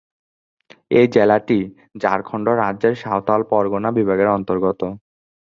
এই জেলাটি ঝাড়খন্ড রাজ্যের সাঁওতাল পরগনা বিভাগের অন্তর্গত।